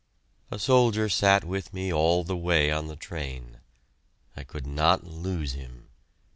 A soldier sat with me all the way on the train. I could not lose him!